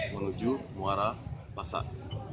menuju muara pasar